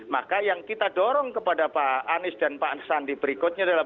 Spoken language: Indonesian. maka yang kita dorong kepada pak anies dan pak sandi berikutnya adalah